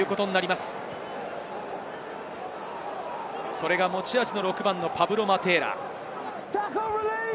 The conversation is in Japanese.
それが持ち味の６番のパブロ・マテーラ。